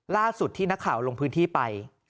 ล่าสุดที่นักข่าวลงพื้นที่ไป